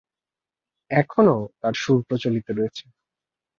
এখনও তার সুর প্রচলিত রয়েছে।